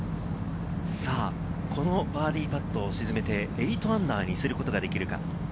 このバーディーパットを沈めて、−８にすることができるか？